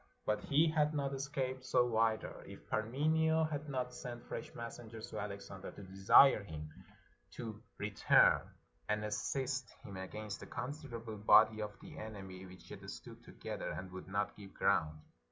But he had not escaped so either, if Parmenio had not sent fresh messengers to Alexander, to desire him to return and assist him against a considerable body of the enemy which yet stood together, and would not give ground.